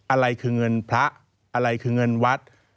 อะไรคือเงินพระอะไรคือเงินวัด